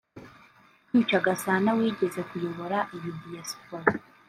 Kwica Gasana wigeze kuyobora iyi Diaspora